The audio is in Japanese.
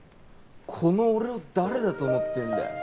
この俺を誰だと思ってんだよ